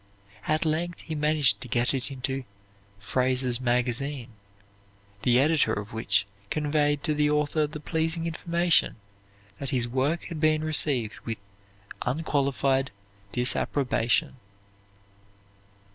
At length he managed to get it into "Fraser's Magazine," the editor of which conveyed to the author the pleasing information that his work had been received with "unqualified disapprobation."